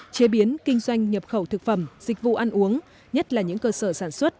chế biến kinh doanh nhập khẩu thực phẩm dịch vụ ăn uống nhất là những cơ sở sản xuất